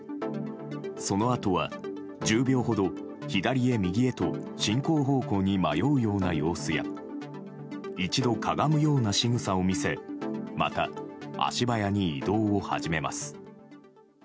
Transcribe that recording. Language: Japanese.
そのあとは、１０秒ほど左へ右へと進行方向に迷うような様子や一度かがむようなしぐさを見せまた足早に移動を始めます。